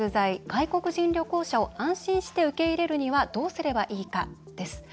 外国人旅行者を安心して受け入れるにはどうすればいいか？です。